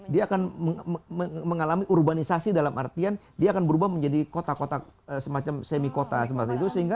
dia akan mengalami urbanisasi dalam artian dia akan berubah menjadi kota kota semacam semi kota semacam itu